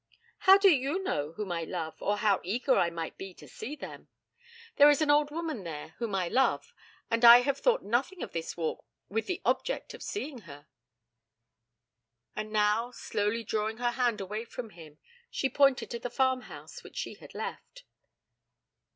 'How do you know whom I love, or how eager I might be to see them? There is an old woman there whom I love, and I have thought nothing of this walk with the object of seeing her.' And now, slowly drawing her hand away from him, she pointed to the farmhouse which she had left.